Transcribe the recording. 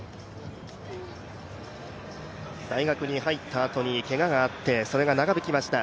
大学に入ったあとにけががあって、そのあと長引きました。